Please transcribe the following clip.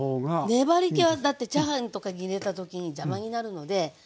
粘りけはだってチャーハンとかに入れた時に邪魔になるのではい。